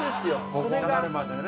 ここになるまでね。